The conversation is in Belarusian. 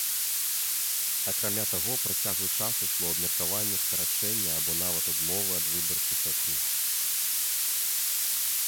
Акрамя таго, працяглы час ішло абмеркаванне скарачэння або нават адмовы ад выбарчых акруг.